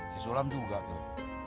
di sulam juga tuh